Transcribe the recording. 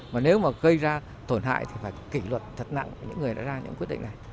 mà nếu mà gây ra tổn hại thì phải kỷ luật thật nặng những người đã ra những quyết định này